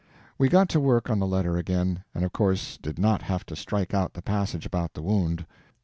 We got to work on the letter again, and of course did not have to strike out the passage about the wound.